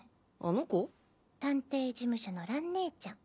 探偵事務所の蘭姉ちゃん。